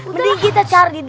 mending kita cari dulu